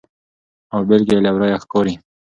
او بیلګه یې له ورایه ښکاري.